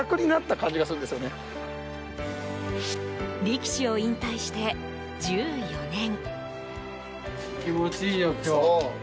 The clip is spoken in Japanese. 力士を引退して１４年。